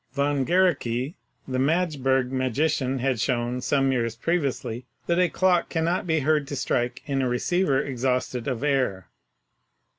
Von Guericke, the Madgeburg Ma gician, had shown, some years previously, that a clock cannot be heard to strike in a receiver exhausted of air.